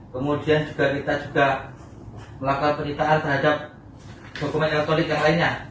kemudian kita juga melakukan pelitaan terhadap dokumen elektronik yang lainnya